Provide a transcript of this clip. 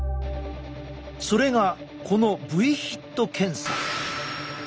それがこのｖＨＩＴ検査。